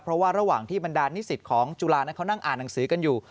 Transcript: เพราะว่าระหว่างที่บรรดานิสิตของจุฬานั้นเขานั่งอ่านหนังสือกันอยู่